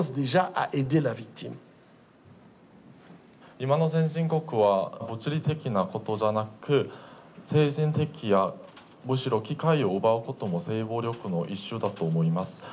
今の先進国は物理的なことじゃなく精神的なむしろ機会を奪うことも性暴力の一種だと思います。